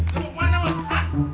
lebuk mana wad